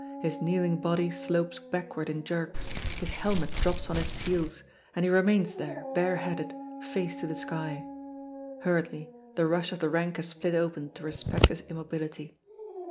His kneeling body slopes backward in jerks, his helmet drops on his heels, and he remains there, bareheaded, face to the sky. Hurriedly the rush of the rank has split open to respect his immobility.